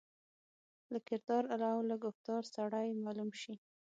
له کردار او له ګفتار سړای معلوم شي.